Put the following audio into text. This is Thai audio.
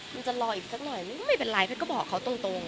มันจะรออีกสักหน่อยไม่เป็นไรแพทย์ก็บอกเขาตรง